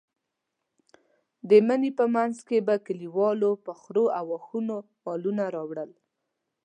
د مني په منځ کې به کلیوالو په خرو او اوښانو مالونه راوړل.